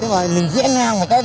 thế mà mình diễn ra một cái